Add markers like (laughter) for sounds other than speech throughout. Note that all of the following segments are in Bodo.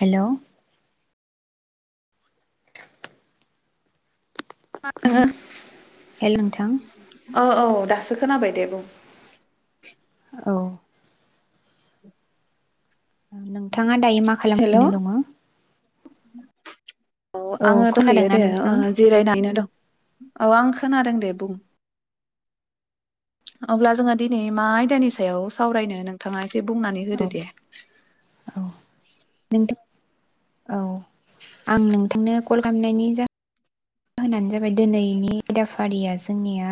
हेलौ हेल नोंथां (unintelligible) अ औ दासो खोनाबाय दे बुं औ नोंथाङा दायो मा हेल' खालामसिनो दङ (inaudible) औ आङो दंहैयो खोनादोंना दे नोंथां जिरायनानैनो दं औ आं खोनादों दे बुं अब्ला जोङो दिनै मा आयदानि सायाव सावरायनो नोंथाङा एसे बुंनानै औ होदो दे औ नोंथां औ आं नोंथांनो कल खालामनायनि जा होनानो जाबाय दिनैनि आयदाफारिया जोंनिया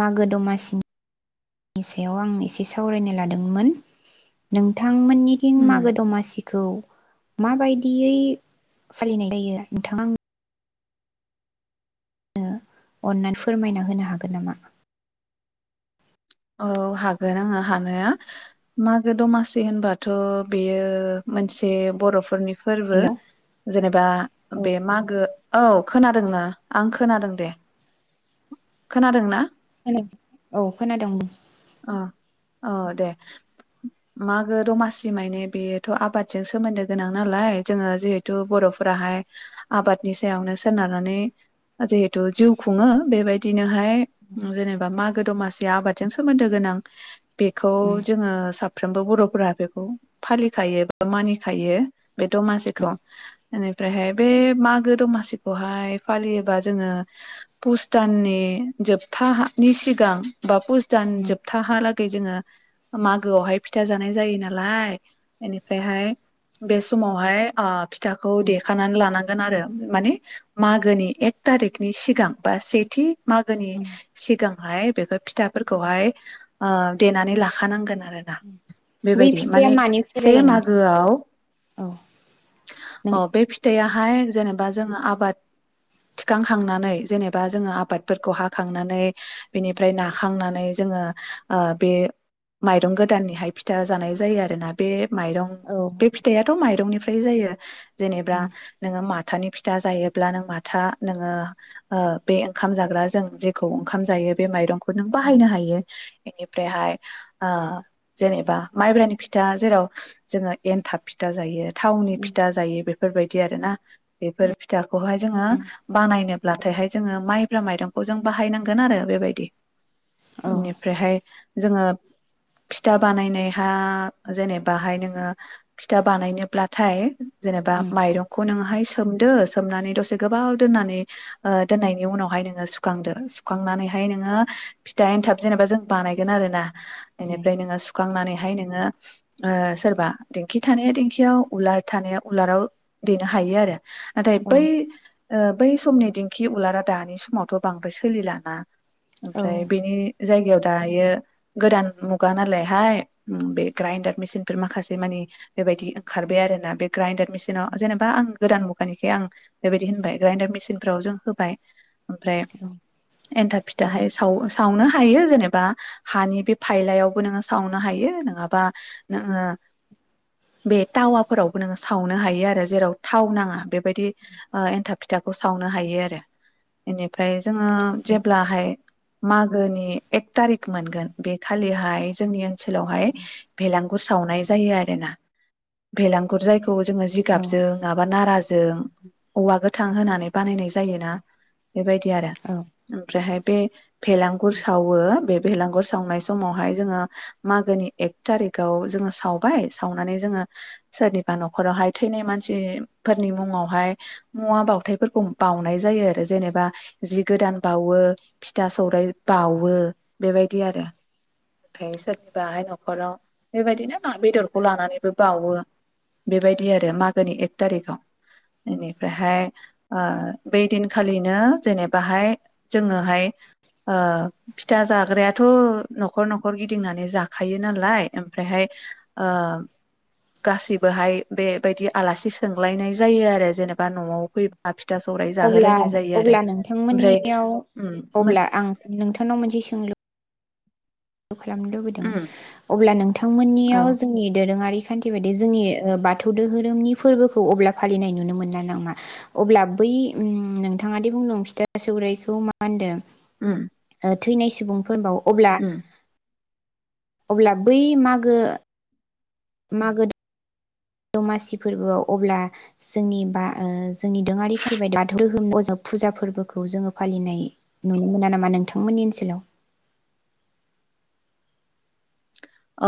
मागो दमासिनिनि सायाव आं एसे सावरायनाय लादोंमोन नोंथा थां मोननि थिं उम मागो दमासि खौ माबायदियै फालिनाय जायो नोंथाआ आं अन्नानै फोरमायना होनो हागोन नामा औ हागोन आङो हानाया मागो दमासि होनबाथ' बेयो मोनसे बर'फोरनि फोरबो हेलौ जेनेबा औ बे मागो औ खोनादोंना आं खोनादों दे खोनादों ना खोनादों औ खोनादों बुं अ औ दे मागो दमासि मानि बेथ' आबादजों सोमोन्दो गोनां नालाय जोङो जिहेथु बर'फोराहाय आबादनि सायावनो सोनारनानै जिहेथु जिउ खुङो बेबायदिनोहाय जेनेबा मागो दमासिया आबादजों सो सोमोन्दो गोनां बेखौ जोङो साब साफ्रोमबो बर'फोरा बेखौ फालिखायो बा मानिखायो बे दमासिखौ बेनिफ्रायहाय बे मागो दमासिखौहाय फालियोबा जोङो पुसताननि जोबथानि सिगां बा फुस दान जोबथा हालाग जोङो मागोआवहाय फिथा जानाय जायो नालाय बेनिफ्रायहाय बे समावहाय ओ फिथाखौ देखानानै लानांगोन आरो माने मागोनि एक थारिखनि सिगां बा सेथि मागोनि सिगां हाय बेखौ फिथा फोरखौहाय आ देनानै लाखानांगोन आरोना। बै बेबायदि फिथाइया माने मानिफ्राय से जायो नोंथां मागोआव औ अ नों बे फिथाया बाहाय जेनेबा जोङो आबाद थिखांखांनानै जेनेबा जोङो आबादफोरखौ हाखांनानै बिनिफ्राय ना हाखांनानै जोङो ओ बे माइरं गोदाननिहाय फिथा जानाय जायो आरोना बे माइरं औ बे फिथायाथ' माइरंनिफ्राय जायो जेनेबा उम नोङो माथानि फिथा जायोब्ला नों माथा नोङो ओ बे ओंखाम जाग्रा जों जेखौ ओंखाम जायो बे माइरंखौ खौ नों बाहायनो हायो बेनिफ्रायहाय आ जेनेबा माइब्रानि फिथा जेराव जोङो एन्थाब फिथा जायो थावनि फिथा जायो बेफोरबायदि आरोना बेफोर फिथाखौहाय जोङो बानायनोब्लाथायहाय जोङो माइब्रा माइरंखौ जों बाहायनांगोन आरो बेबायदि। औ बेनिफ्रायहाय जोङो फिथा बानायनायहा जेनेबाहाय नोङो फिथा बानायनोब्लाथाय जेनेबा उम माइरंखौ नोङो हाय सोमदो सोमनानै दसे गोबाव दोननानै ओ दोननायनि उनावहाय नोङो सुखांदो सुखांनानैहाय नोङो फिथा एन्थाब जेनेबा जों बानायगोन आरो ना। बेनिफ्राय औ नोङो सु सुखांनानैहाय नोङो ओ सोरबा दिेंखि थानाया दिेंखियाव उलार थानाया उलाराव देनो हायो आरो। नाथाय औ बै। ओ बै समनि दिंखि उलारा दानि समावथ' बांद्राय सोलिलाना। ओमफ्राय बेनि जायगायाव दायो गोदान मुगा नालायहाय उम बे ग्राइनडार मेसिन फोर माखासे मानि बेबायदि ओंखारबाय आरो ना बे ग्राइनडार मेसिनाव जेनेबा आं गोदान मुगानिखाय आं बेबायदि होनबाय ग्राइनडार मेचिन फोराव जों होबाय ओमफ्राय एन्थाब फि दाहाय साव सावनो हायो जेनेबा हानि बे फायलायावबो नोङो सावनो हायो नङाबा नोङो बे टावाफोरावबो नोङो सावनो हायो आरो जेराव थाव नाङा बेबायदि ओ एन्थाब फिथाखौ सावनो हायो आरो बेनिफ्राय जोङो जेब्लाहाय मागोनि एक थारिक मोनगोन बे खालिहाय जोंनि ओनसोलावहाय भेलांगुर सावनाय जायो आरोना भेलांगुर जाय जोङो औ जिगाबजों नङाबा नाराजों जों औवा गोथां होनानै बानायनाय जोना। बेबायदि आरो ओमफ्रायहाय बे भेलांगुर सावो बे भेलांगुर सावनाय समावहाय जोङो मागोनि एक थारिखाव जोङो सावबाय सावनानै जोङो सोरनिबा न'खरावहाय थैनाय मानसिफोरनि मुङावहाय मुवा बाथायफोरखौ बाउनाय जायो आरो जेनेबा जि गोदान बावो फिथा सौराइ बावो बेबायदि आरो ओमफ्राय सोरनिबाहाय न'खराव बेबायदिनो ना बेदरखौ लानानैबो बावो बेबायदि आरो मागोनि एक थारिखआव बेनिफ्रायहाय ओ बै दिनखालिनो जेनेबाहाय जोङोहाय ओ फिथा जाग्रायाथ' न'खर न'खर गिदिंनानै जाखायो नालाय ओमफ्रायहाय ओ गासिबोहाय बेबायदि आलासि सोंलायनाय जायो आरो जेनेबा न'आव फैबा फिथा सौराइ अब्ला जाहोलायनाय जायो आरो अब्ला ओमफ्राय नोंथांमोननियाव उम। मोन अब्ला आं नोंथांनाव मोनसे सोंलु खालामनो लुबैदों उम अब्ला औ नोंथांमोननियाव जोंनि दोरोङारि खान्थि बायदि जोंनि बाथौ दोहोरोमनि फोरबोखौ अब्ला फालिनाय नुनो मोनला नामा अब्ला बै नोंथाङादि बुंदों फिथा सौराइखौ मा होनदों उम। ओ थैनाय सुबुंफोरनो बावो। अब्ला उम अब्ला बै मागो। मागो। दमासि फोरबोआव अब्ला जोंनि बा जोंनि दोङारि खान्थि बायदि बाथौ दोहोम फुजा फोरबोखौ जोङो फालिनाय नुनो मोना नामा नोंथांमोननि ओनसोलाव।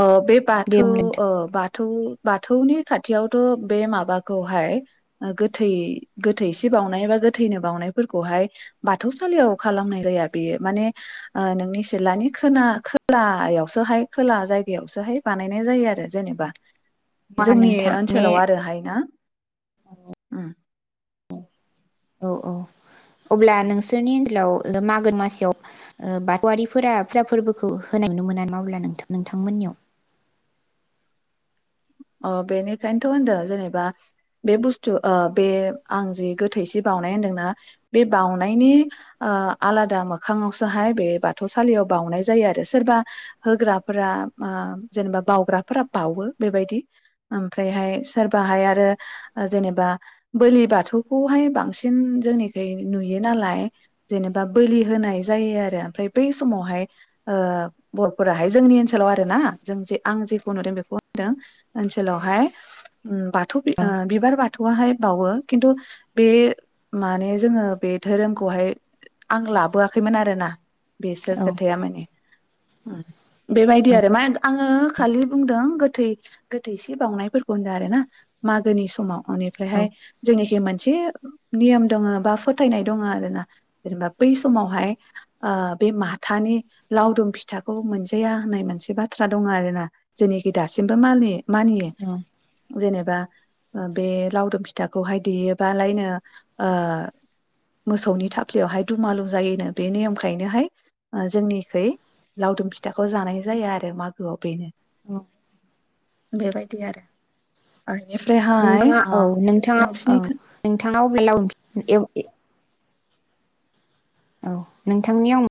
ओ बे दे बाथौ बुं नोंथां बाथौ। बाथौ बाथौनि खाथियावथ' बे माबाखौहाय गोथै गोथै सि बावनाय बा गोथैनो बावउनायफोरखौहाय बाथौसालियाव खालामनाय जाया बेयो माने नोंनि सिलानि खोला खोलायावसोहाय। खोला जायगायावसोहाय बानायनाय जायो आरो जेनेबा। मा जोंनि नोंथां माने ओनसोलाव आरोहाय ना। उम। औ औ अब्ला नोंसोरनि ओनसोलाव मागोन मासियाव बाथौआरारिफोरा फुजा फोरबोखौ होनाय नुनो मोना नामा अब्ला नोंथां नोंथांमोननियाव। अ बेनिखायनोथ' होनदो जेनेबा बे बुस्थु ओ बे आं जि गोथैसि बाउनाय होनदोंना बे बाउनायनि ओ आलादा मोखाङावसोहाय बे बाथौसालियाव बाउनाय जायो आरो सोरबा होग्राफोरा ओ जेनेबा बाग्राफोरा बावो बेबायदि। ओमफ्रायहाय सोरबाहाय आरो जेनेबा बोलि बाथौखौहाय बांसिन जोंनिखै नुयो नालाय जेनेबा बोलि होनाय जायो आरो ओमफ्राय बै समावहाय ओ बर'फोराहाय जोंनि ओनसोलाव आरो ना जों जे आं जेखौ नुदों बेखौ होनदों। ओनसोलावहाय। उम बाथौ बि औ बिबार बाथ बाथौआहाय बावो खिन्थु बे माने जोङो बे धोरोमखौहाय आं लाबोआखैमोन आरो ना। बेसो औ खोथाया माने। बेबायदि आरो मा आङो खालि बुंदों गोथै। गोथैसे बावनायफोरखौ होनदो आरो ना मागोनि समाव औ अनिफ्रायहाय जोंनिखि मोनसे नियम दङ बा फोथायनाय दङ आरो ना जेनेबा बै समावहाय ओ बे माथानि लावदुम फिथाखौ मोनजाया होननाय मोनसे बाथ्रा दङ आरो ना जोंनिखि दासिमबो मानियो। मानियो जेनेबा बे लावदुम फिथाखौहाय देयोबालायनो ओ मोसौनि थाफ्लियावहाय दुमालु जायोनो बे नेयम खायनोहाय जोंनिखै लावदुम फिथाखौ जानाय जायो आरो मागोआव बेनो। औ बेबायदि आरो ओइ। नोंथाङा औ नोंथाङा औ नोंथाङा अबे लाबिबलाम (unintelligible) औ नोंथांनियाव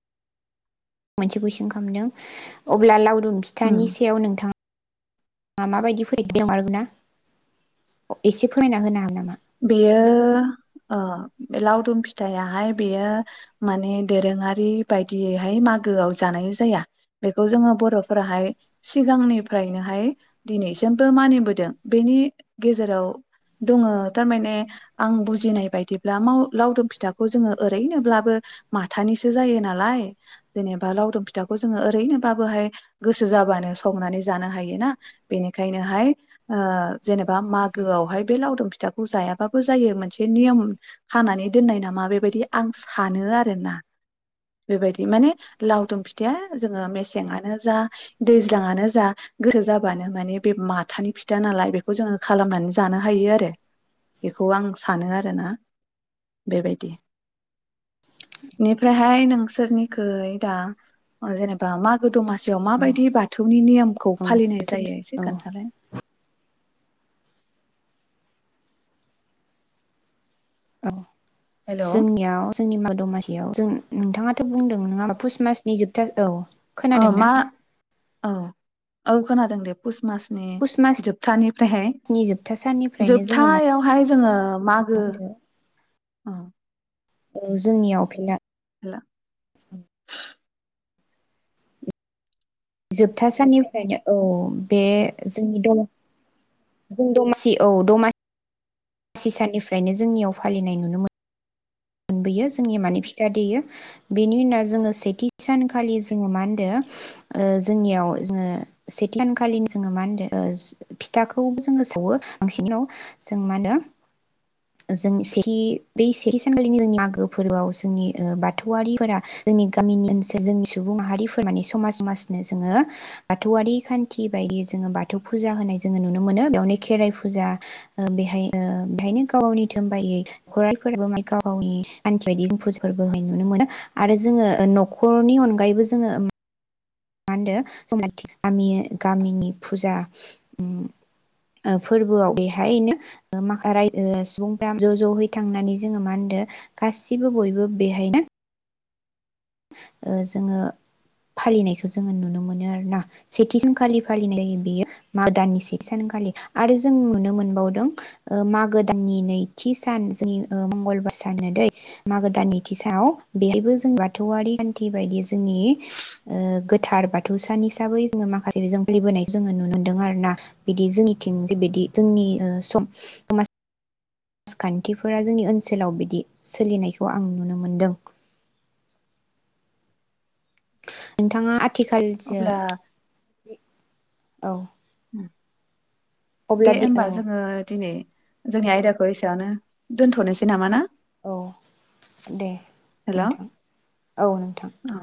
मोनसे कुइसन खालामदों अब्ला लाउ। दुम फिथानि उम सायाव नोंथाङा। मा मा (unintelligible) बायदि फरायदों आरो ना एसे फोरमायना होना बेयो। ओ बे लावदुम फिथायाहाय बेयो माने दोरोङारि बायदियैहाय मागोआव जानाय जाया बेखौ जोङो बर'फोराहाय सिगांनिफ्रायनोहाय दिनैसिमबो मानिबोदों बेनि गेजेराव। दङो तारमाने आं बुजिनाय बायदिब्ला माव लावदुम फिथाखौ जोङो ओरैनोब्लाबो माथानिसो जायो नालाय जेनेबा लावदुम फिथाखौ जोङो ओरैनोबोहाय गोसो जाबानो संनानै जानो हायो ना बेनिखायनोहाय जेनेबा मागो आवहाय। बे लावदुम फिथाखौ जायाबाबो जायो मोनसे नियम खानानै दोननाय नामा बेबायदि आं सानो आरो ना बेबायदि माने लावदुम फिथाया जोङो मेसेंआनो जा दैज्लाांआनो गोरो जाबानो माने बे माथानि फिथा नालाय बेखौ जोङो खालामनानै जानो। हायो‌ आरो‌ बेखौ आं सानो‌ आरो ना बेबायदि निफ्रायहाय नोंसोरनिखै‌ दा‌ जेनेबा मागो। दमासियाव औ माबायदि बाथौनि नियमखौ फालिनाय औ जायो एसे औ खोन्थालाय। औ हेल' जोंनियाव जोंनि मा दमासियाव जों नोंथाङा। थ' बुंदों नङा पुस मासनि जोबथा औ। ओ खोनादोंना मा औ औ खोनादों दे पुस। मासनि पुस मासनि जोबथानिफ्रायहाय जोबथा साननिफ्रायनो जोबथा जोङो मा शयावहाय। जोङो मागो उम औ जोंनियाव फेना हेल' उम जोबथा साननिफ्रायनो औ बे जोंनि दम जों दमासि औ दमा सि साननिफ्रायनो जोंनियाव फालिनाय नुनो मोन मोनबोयो जोंनि माने फिथा देयो बेनि उनाव जोङो सेथि सानखालि जोङो मा होनदो ओ जोंनियाव जोङो सेथ सानखालि जोङो मा होनदो ओ फिथाखौ जोङो सावो बांसिनयाव जों मा होनो जों सेथि बै सेथि सानखालिनि जोंनि मागो फोरबोआव जोंनि ओ बाथौआरिफोरा जोंनि गामिनि ओनसोल जोंनि सुबुं माहारिफोर माने समाज समाजनो जोङो बाथौआरि खान्थि बायदि जोङो बाथौ फुजा होनाय जोङो नुनो मोनो बेयावनो खेराइ फुजा ओ बेहाय ओ बेहायनो गाव गावनि (unintelligible) गावनि खान्थि बायदि जों फुज फोरबोहाय नुनो मोनो आरो जोङो न'खरनि अनगायैबो जोङो मा होनदो (unintelligible) गामि गामिनि फुजा उम ओ फोरबोआव बेहायनो ओ माखा राय ओ सुबुंफोरा ज' जहैनो थांनानै जोङो मा होनदों गासिबो बयबो बेहायनो ओ जोङो फालिनायखौ जोङो नुनो मोनो आरोना सेथि सानखालि फालिनाय जायो बेयो माग दानि सेथि सानखालि आरो जों नुनो मोनबावदो ओ मागो दाननि नैथि सान जि ओ मंगलबार सानो दै मागो दाननि नैथि सानाव बेहाय बो जों बा थौआरि खान्थि बायदि जोंनि ओ गोथार बाथौ सान हिसाबै जोङो माखासे बेजों फोलिबोनायखौ जोङो नुनो मोनदों आरो ना बिदि जोंनिथिं जे बिदि जोंनि ओ सम समाज राजखान्थिफोरा जोंनि ओनसोलाव बिदि सोलिनायखौ आं नुनो मोनदों। थाङा आथिखालजो अब्ला औ दे अब्ला दि औ ओमबा जोङो दिनै जोंनि आयदाखौ एसेयावनो दोनथनोसै नामा ना? औ दे हेल' नोंथां औ नोंथां। औ